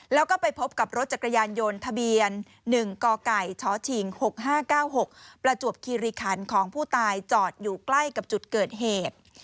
แล้วก็ไปพบกับรถจักรยานยนต์ทะเบียน๑กไก่ชชิง๖๕๙๖ประจวบคิริคันของผู้ตายจอดอยู่ใกล้กับจุดเกิดเหตุ